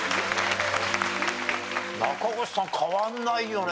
中越さん変わんないよね。